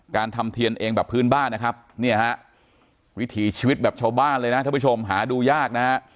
ทำเทียนเองแบบพื้นบ้านนะครับเนี่ยฮะวิถีชีวิตแบบชาวบ้านเลยนะท่านผู้ชมหาดูยากนะฮะ